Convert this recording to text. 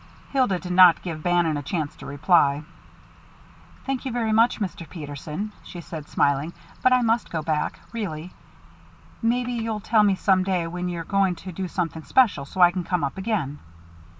Hilda did not give Bannon a chance to reply. "Thank you very much, Mr. Peterson," she said, smiling, "but I must go back, really. Maybe you'll tell me some day when you're going to do something special, so I can come up again."